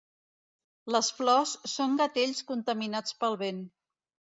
Les flors són gatells contaminats pel vent.